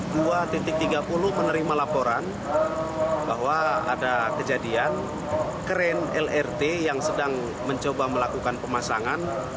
dua tiga puluh menerima laporan bahwa ada kejadian kren lrt yang sedang mencoba melakukan pemasangan